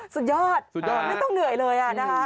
สุดยอดไม่ต้องเหนื่อยเลย